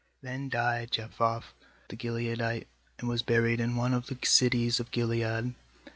Then died Jephthah the Gileadite, and was buried in one of the cities of Gilead.